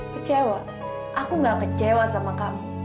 kecewa aku gak kecewa sama kamu